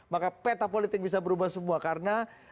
maka peta politik bisa berubah semua karena